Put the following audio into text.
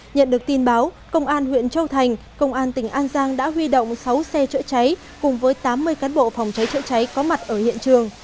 nhận được tin báo công an huyện châu thành công an tỉnh an giang đã huy động sáu xe chữa cháy cùng với tám mươi cán bộ phòng cháy chữa cháy có mặt ở hiện trường